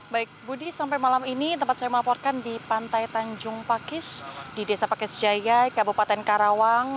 baik budi sampai malam ini tempat saya melaporkan di pantai tanjung pakis di desa pakis jaya kabupaten karawang